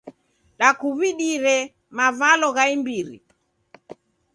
Dakuw'idire mavalo gha imbiri.